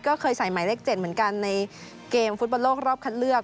ก็เคยใส่หมายเลข๗เหมือนกันในเกมฟุตบอลโลกรอบคัดเลือก